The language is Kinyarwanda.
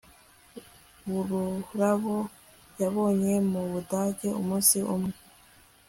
Ururabo yabonye mu Budage umunsi umwe